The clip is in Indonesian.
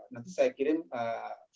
nanti saya kirim videonya ke masyarakat